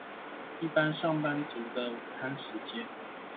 一般上班族的午餐時間